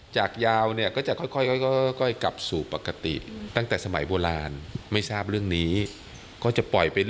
จากยาวเนี่ยก็จะค่อยกลับสู่ปกติตั้งแต่สมัยโบราณไม่ทราบเรื่องนี้ก็จะปล่อยไป